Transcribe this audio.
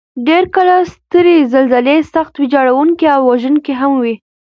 ډېر کله سترې زلزلې سخت ویجاړونکي او وژونکي هم وي.